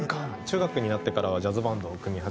中学になってからはジャズバンドを組み始めた。